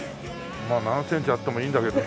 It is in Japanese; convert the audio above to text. まあ何センチあってもいいんだけどさ。